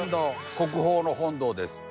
国宝の本堂です。